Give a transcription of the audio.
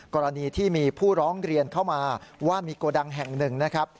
กรณีที่มีผู้ร้องเรียนเข้ามาว่ามีโกดังแห่งหนึ่งนะครับ